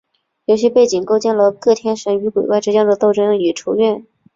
游戏背景构建了各天神与鬼怪之间的争斗与仇怨。